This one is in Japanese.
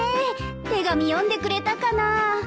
手紙読んでくれたかなぁ。